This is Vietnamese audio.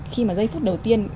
khi mà giây phút đầu tiên